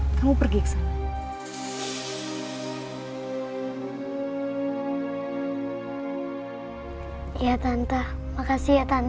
sekarang kamu minta maaf sama intan